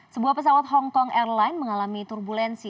sebuah pesawat hong kong airline mengalami turbulensi